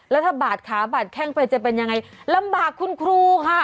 แล้วถ้าบาดขาบาดแข้งไปจะเป็นยังไงลำบากคุณครูค่ะ